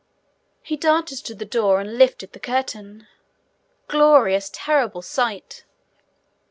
He darted to the door and lifted the curtain. Glorious terrible sight!